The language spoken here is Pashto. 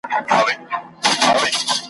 له ګل غونډیه به مي سیوری تر مزاره څارې ,